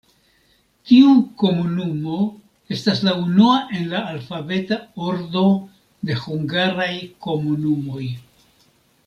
Tiu komunumo estas la unua en la alfabeta ordo de hungaraj komunumoj.